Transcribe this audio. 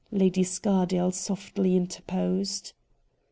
' Lady Scardale softly interposed.